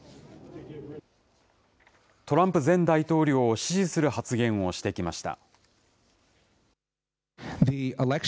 トランプ前大統領を支持する発言をしてきました。